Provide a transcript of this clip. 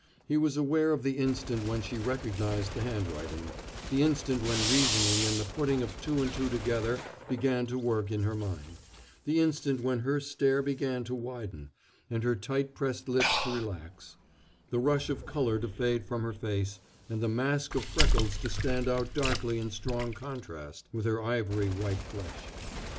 He was aware of the instant when she recognized the handwriting, the instant when reasoning and the putting of two and two together began to work in her mind, the instant when her stare began to widen, and her tight pressed lips to relax, the rush of color to fade from her face, and the mask of freckles to stand out darkly in strong contrast with her ivory white flesh.